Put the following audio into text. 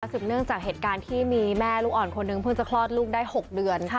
สิบเนื่องจากเหตุการณ์ที่มีแม่ลูกอ่อนคนหนึ่งเพิ่งจะคลอดลูกได้๖เดือน